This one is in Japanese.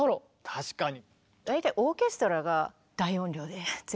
確かに。